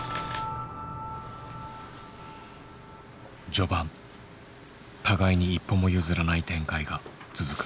序盤互いに一歩も譲らない展開が続く。